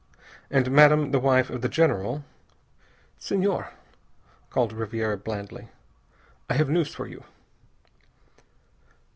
And Madame the wife of the General "Senhor," called Ribiera blandly, "I have news for you."